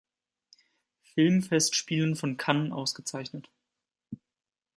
Filmfestspielen von Cannes ausgezeichnet.